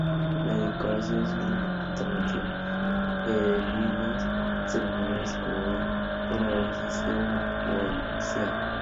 La decoración suele representar motivos femeninos ceremoniales como la procesión nupcial.